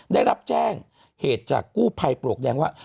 ได้รับแจ้งเหตุจากกู้ภัยปลวกแดงว่า